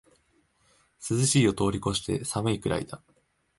涼しいを通りこして寒いくらいだ